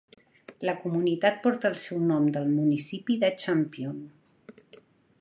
La comunitat porta el seu nom del municipi de Champion.